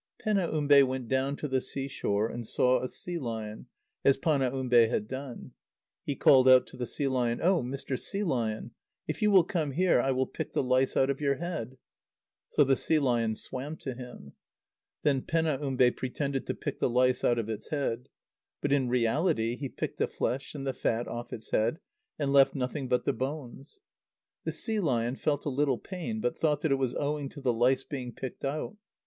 Penaumbe went down to the sea shore, and saw a sea lion, as Panaumbe had done. He called out to the sea lion: "Oh! Mr. Sea Lion, if you will come here, I will pick the lice out of your head." So the sea lion swam to him. Then Penaumbe pretended to pick the lice out of its head. But in reality he picked the flesh and the fat off its head, and left nothing but the bones. The sea lion felt a little pain, but thought that it was owing to the lice being picked out.